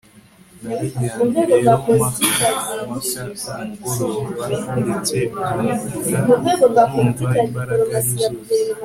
nararyamye rero mpaka mpaka kumugoroba ndetse mbyuka numva imbaraga ari zose